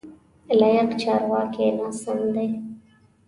لایق: چارواکی ناسم دی.